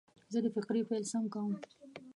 زه د فقرې پیل سم کوم.